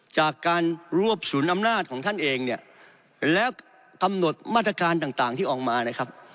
จากการรวบศูนย์อำนาจของท่านเองเนี่ยแล้วกำหนดมาตรการต่างที่ออกมานะครับ